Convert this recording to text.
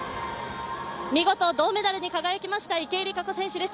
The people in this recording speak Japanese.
見事銅メダルに輝きました池江璃花子選手です。